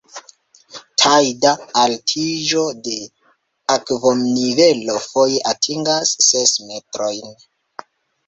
Tajda altiĝo de akvonivelo foje atingas ses metrojn.